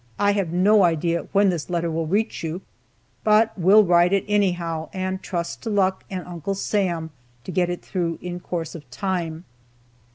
I have no idea when this letter will reach you, but will write it anyhow, and trust to luck and Uncle Sam to get it through in course of time.